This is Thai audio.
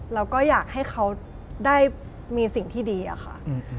เราก็อยากให้เขาได้มีสิ่งที่ดีอะค่ะ